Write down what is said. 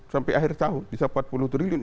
sampai akhir tahun bisa empat puluh triliun